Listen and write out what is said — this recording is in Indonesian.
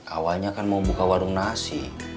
awalnya kan mau buka warung nasi